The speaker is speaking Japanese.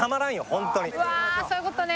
ホントにあーそういうことね